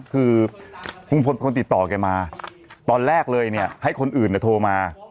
คือลุงพลคนติดต่อแกมาตอนแรกเลยเนี่ยให้คนอื่นโทรมา